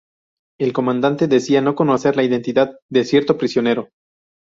El comandante decía no conocer la identidad de cierto prisionero.